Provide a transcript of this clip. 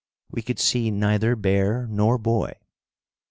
We could see neither bear nor boy.